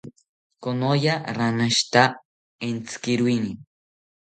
Konoya ranashita entzikiroini